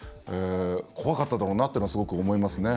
怖かっただろうなっていうのはすごく思いますね。